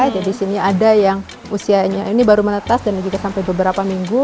jadi di sini ada yang usianya ini baru menetas dan juga sampai beberapa minggu